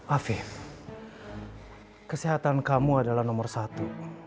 afif kesehatan kamu adalah nomor satu